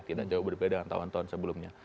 tidak jauh berbeda dengan tahun tahun sebelumnya